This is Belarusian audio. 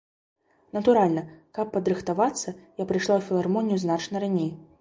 Натуральна, каб падрыхтавацца, я прыйшла ў філармонію значна раней.